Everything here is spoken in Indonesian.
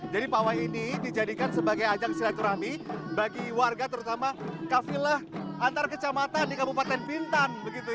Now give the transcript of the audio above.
jadi pawai ini dijadikan sebagai ajang silaturahmi bagi warga terutama kafilah antar kecamatan di kabupaten bintan